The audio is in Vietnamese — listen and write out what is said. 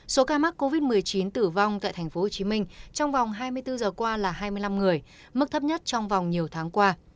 số ca mắc covid một mươi chín tử vong tại tp hcm trong vòng hai mươi bốn giờ qua là hai mươi năm người mức thấp nhất trong vòng nhiều tháng qua